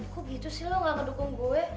aku gitu sih lo gak ngedukung gue